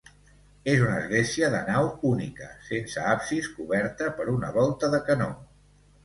És una església de nau única, sense absis, coberta per una volta de canó.